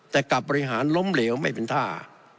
แต่กลับบริหารล้มเหลวไม่เป็นท่า